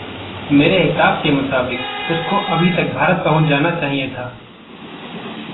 मेरे हिसाब के मुताबिक उसको अभी तक भारत पहुँच जाना चाहिए था।